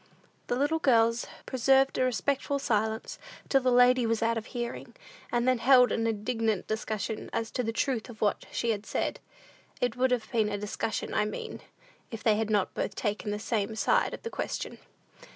The little girls preserved a respectful silence, till the lady was out of hearing, and then held an indignant discussion as to the truth of what she had said. It would have been a discussion, I mean, if they had not both taken the same side of the question.